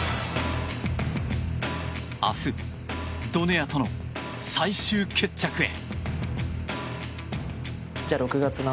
明日、ドネアとの最終決着へ。